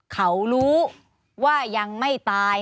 เขารู้ว่ายังไม่ตาย